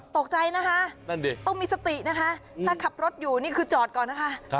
ตกใจนะคะนั่นดิต้องมีสตินะคะถ้าขับรถอยู่นี่คือจอดก่อนนะคะ